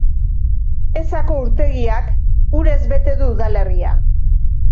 Esako urtegiak urez bete du udalerria.